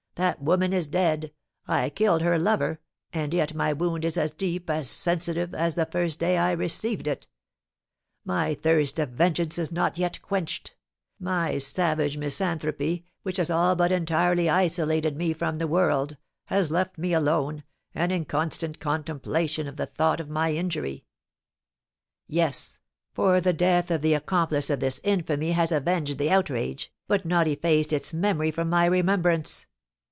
"That woman is dead I killed her lover and yet my wound is as deep, as sensitive, as the first day I received it; my thirst of vengeance is not yet quenched; my savage misanthropy, which has all but entirely isolated me from the world, has left me alone, and in constant contemplation of the thought of my injury. Yes; for the death of the accomplice of this infamy has avenged the outrage, but not effaced its memory from my remembrance.